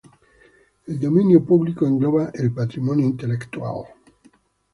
El dominio público engloba el patrimonio intelectual.